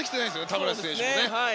タバレス選手もね。